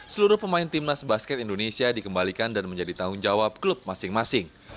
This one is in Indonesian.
seluruh pemain timnas basket indonesia dikembalikan dan menjadi tanggung jawab klub masing masing